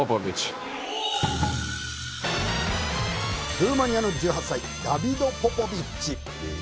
ルーマニアの１８歳ダビド・ポポビッチ